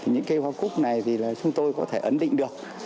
những cây hoa cúc này thì là chúng tôi có thể ấn định được